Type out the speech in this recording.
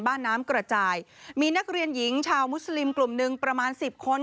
น้ำกระจายมีนักเรียนหญิงชาวมุสลิมกลุ่มหนึ่งประมาณสิบคน